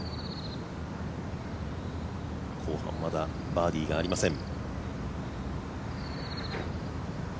後半まだバーディーがありません。